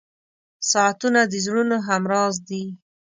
• ساعتونه د زړونو همراز دي.